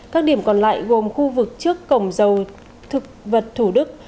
các điểm còn lại gồm khu vực trước cổng dầu thực vật thủ đức